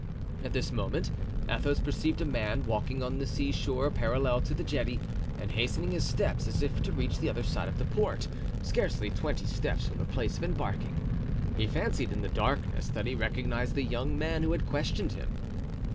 At this moment Athos perceived a man walking on the seashore parallel to the jetty, and hastening his steps, as if to reach the other side of the port, scarcely twenty steps from the place of embarking. He fancied in the darkness that he recognized the young man who had questioned him.